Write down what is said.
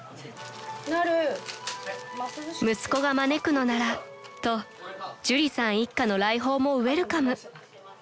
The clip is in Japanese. ［息子が招くのならと朱里さん一家の来訪もウエルカム］